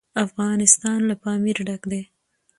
افغانستان له پامیر ډک دی.